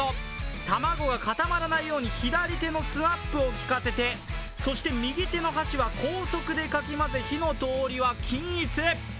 卵が固まらないように左手のスワップを利かせてそして右手の箸は高速でかき混ぜ、火の通りは均一。